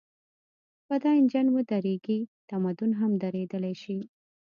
که دا انجن ودرېږي، تمدن هم درېدلی شي.